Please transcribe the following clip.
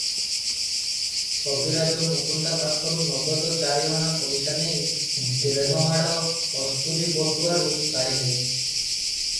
କବିରାଜ ମୁକୁନ୍ଦା ପାଖରୁ ନଗଦ ଚାରିଅଣା ପଇସା ନେଇ ଦେଢ଼ ମାଢ଼ କସ୍ତୁରୀ ବଟୁଆରୁ କାଢ଼ିଲେ ।